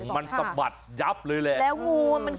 มันสมัยอย่าบเลยแหละ